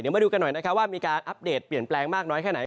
เดี๋ยวมาดูกันหน่อยว่ามีการอัปเดตเปลี่ยนแปลงมากน้อยแค่ไหน